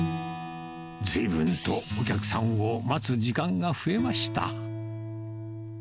ずいぶんとお客さんを待つ時間が増えました。